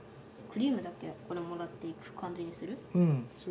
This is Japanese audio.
クリームだこれもらっていく感じにする？